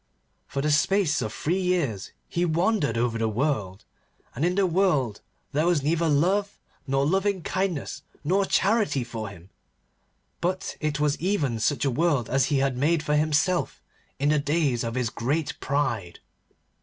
For the space of three years he wandered over the world, and in the world there was neither love nor loving kindness nor charity for him, but it was even such a world as he had made for himself in the days of his great pride.